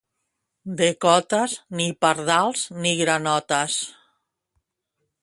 De Cotes, ni pardals ni granotes.